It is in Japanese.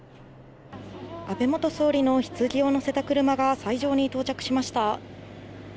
安倍元総理の棺を乗せた車が斎場に到着しました。